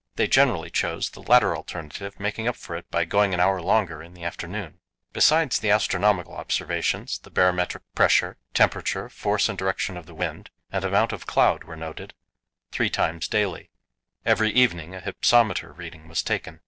They generally chose the latter alternative, making up for it by going an hour longer in the afternoon. Besides the astronomical observations, the barometric pressure, temperature, force and direction of the wind, and amount of cloud were noted three times daily; every evening a hypsometer reading was taken.